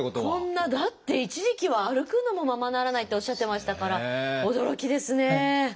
こんなだって一時期は歩くのもままならないっておっしゃってましたから驚きですね。